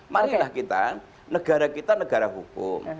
marilah kita negara kita negara hukum